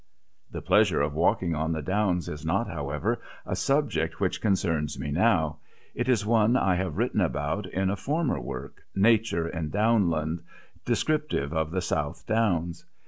The pleasure of walking on the downs is not, however, a subject which concerns me now; it is one I have written about in a former work, "Nature in Downland," descriptive of the South Downs.